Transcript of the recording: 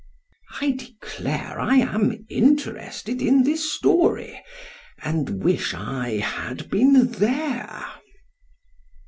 I declare I am interested in this story, and wish I had been there.